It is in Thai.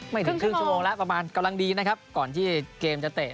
ถึงครึ่งชั่วโมงแล้วประมาณกำลังดีนะครับก่อนที่เกมจะเตะ